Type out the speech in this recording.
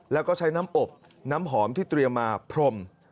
แล้วก็ใช้น้ำอบน้ำหอมที่เตรียมมาพรม